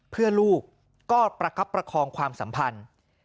เพื่อลูกก็ประคับประคองความสัมพันธ์